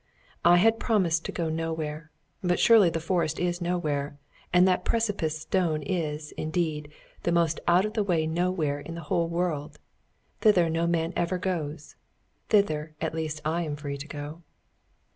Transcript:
I had promised to go nowhere. But surely the forest is nowhere, and that Precipice Stone is, indeed, the most out of the way nowhere in the whole world. Thither no man ever goes. Thither at least I am free to go.